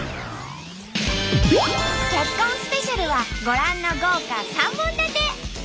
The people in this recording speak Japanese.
結婚スペシャルはご覧の豪華３本立て！